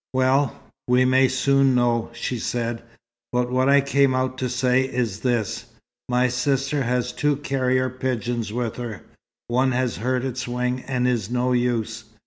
"Well, we may soon know," she said. "But what I came out to say, is this. My sister has two carrier pigeons with her. One has hurt its wing and is no use.